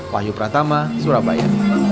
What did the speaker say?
wahyu pratama surabaya